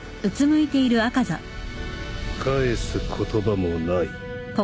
返す言葉もない。